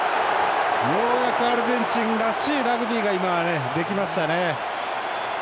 ようやくアルゼンチンらしいラグビーが今できましたね。